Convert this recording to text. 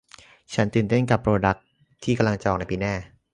ฉันตื่นเต้นกับโปรดักส์ที่กำลังจะออกในปีหน้า